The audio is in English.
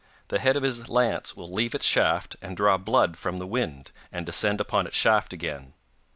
The head of his lance will leave its shaft, and draw blood from the wind, and descend upon its shaft again.